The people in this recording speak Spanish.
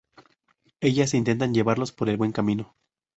Ellas intentan llevarlos por el buen camino.